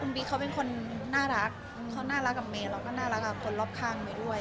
บิ๊กเขาเป็นคนน่ารักเขาน่ารักกับเมย์แล้วก็น่ารักกับคนรอบข้างเมย์ด้วย